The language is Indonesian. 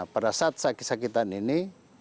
pada saat sakitan ini